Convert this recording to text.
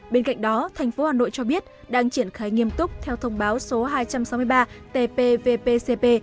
bên cạnh đó tp hcm cho biết đang triển khai nghiêm túc theo thông báo số hai trăm sáu mươi ba tp vpcp